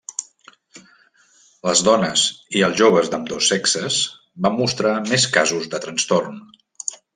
Les dones i els joves d'ambdós sexes van mostrar més casos de trastorn.